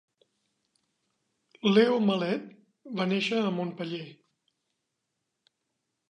Leo Malet va néixer a Montpeller.